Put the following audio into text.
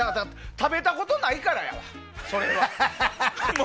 食べたことないからやわ、それは。